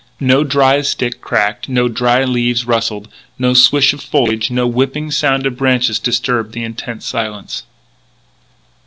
No dry stick cracked; no dry leaves rustled; no swish of foliage; no whipping sound of branches disturbed the intense silence.